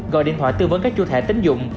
gọi điện thoại tư vấn các chú thẻ tính dụng